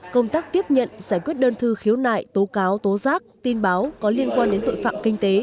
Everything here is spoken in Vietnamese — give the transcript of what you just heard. công tác tiếp nhận giải quyết đơn thư khiếu nại tố cáo tố giác tin báo có liên quan đến tội phạm kinh tế